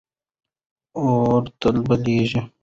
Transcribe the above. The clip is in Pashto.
اور تل بلېږي.